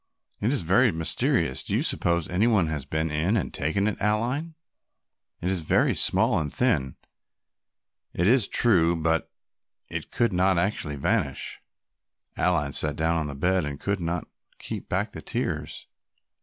"It is very mysterious; do you suppose any one has been in and taken it, Aline; it is very small and thin, it is true, but it could not actually vanish." Aline sat down on the bed and could not keep back the tears.